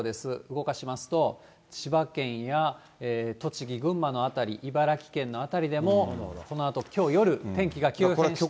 動かしますと、千葉県や、栃木、群馬の辺り、茨城県の辺りでもこのあときょう夜、天気が急変して。